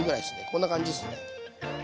こんな感じですね。